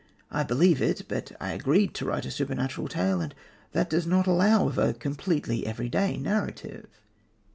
I believe it, but I agreed to write a supernatural tale, and that does not allow of a completely everyday narrative."